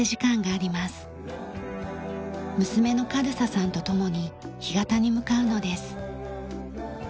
娘の夏瑠沙さんと共に干潟に向かうのです。